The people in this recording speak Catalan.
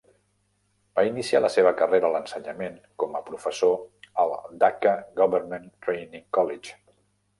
Va iniciar la seva carrera a l'ensenyament como a professor al Dacca Government Training College.